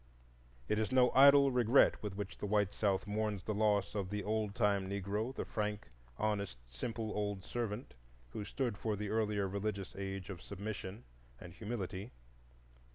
It is no idle regret with which the white South mourns the loss of the old time Negro,—the frank, honest, simple old servant who stood for the earlier religious age of submission and humility.